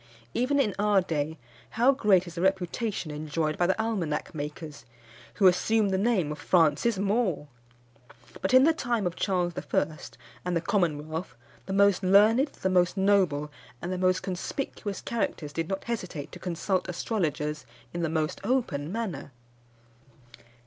Even in our day, how great is the reputation enjoyed by the almanac makers, who assume the name of Francis Moore! But in the time of Charles I. and the Commonwealth the most learned, the most noble, and the most conspicuous characters did not hesitate to consult astrologers in the most open manner.